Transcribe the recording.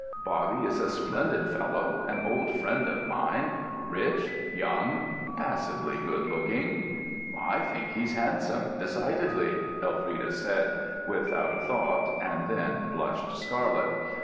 Bobby is a splendid fellow, an old friend of mine, rich, young, passably good looking——" "I think he's handsome, decidedly," Elfrida said, without a thought, and then blushed scarlet.